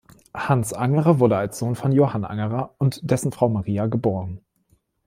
Hans Angerer wurde als Sohn von Johann Angerer und dessen Frau Maria geb.